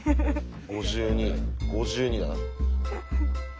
５２５２だな。